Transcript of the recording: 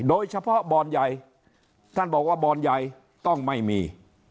โดยเฉพาะบ่อนใหญ่ท่านบอกว่าบ่อนใหญ่ต้องไม่มี